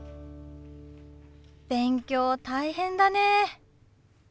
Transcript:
勉強大変だね。